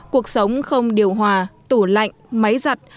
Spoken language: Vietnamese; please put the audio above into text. cuộc sống không điều hòa tủ lạnh máy giặt